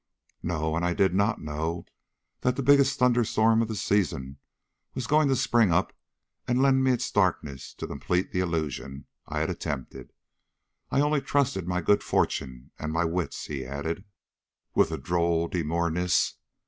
"No, and I did not know that the biggest thunderstorm of the season was going to spring up and lend me its darkness to complete the illusion I had attempted. I only trusted my good fortune and my wits," he added, with a droll demureness.